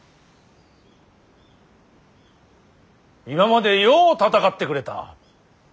今までよう戦ってくれた。